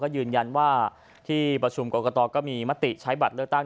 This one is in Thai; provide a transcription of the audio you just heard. ยืนยันว่าที่ประชุมกรกตก็มีมติใช้บัตรเลือกตั้ง